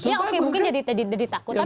ya oke mungkin jadi takut